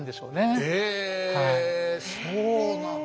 ええそうなんだ。